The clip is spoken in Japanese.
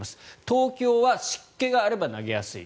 東京は湿気があれば投げやすい。